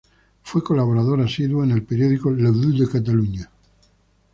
Fue colaborador asiduo en el periódico "La Veu de Catalunya".